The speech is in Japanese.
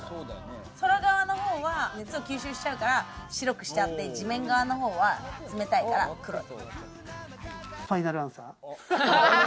空側の方は熱を吸収しちゃうから白くしちゃって、地面側の方はファイナルアンサー。